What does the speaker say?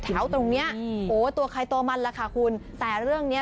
ตรงเนี้ยโอ้โหตัวใครตัวมันล่ะค่ะคุณแต่เรื่องเนี้ย